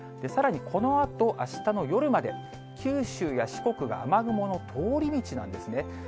さらにこのあと、あしたの夜まで、九州や四国が雨雲の通り道なんですね。